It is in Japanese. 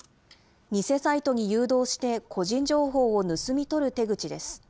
偽サイトに誘導して、個人情報を盗み取る手口です。